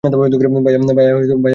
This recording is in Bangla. ভাইয়া ভাবি আপনারা জানেন?